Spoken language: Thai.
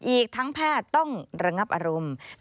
อีกทั้งแพทย์ต้องระงับอารมณ์